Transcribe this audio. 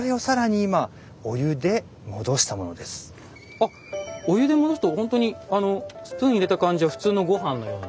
あっお湯で戻すとほんとにあのスプーン入れた感じは普通のごはんのような。